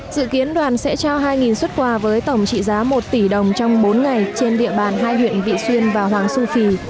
dự kiến đoàn sẽ trao hai xuất quà với tổng trị giá một tỷ đồng trong bốn ngày trên địa bàn hai huyện vị xuyên và hoàng su phi